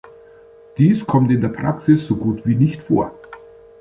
Dies kommt in der Praxis so gut wie nicht vor.